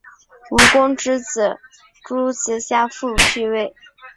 武公之子邾子夏父继位。